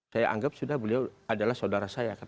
saya anggap sudah beliau adalah saudara saya